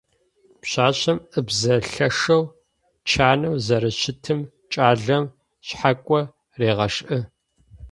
Пшъашъэм ыбзэ лъэшэу чанэу зэрэщытым кӏалэм шъхьакӏо регъэшӏы.